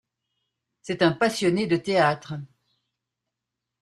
C'est un passionné de théâtre.